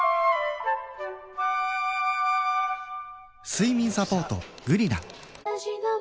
睡眠サポート「グリナ」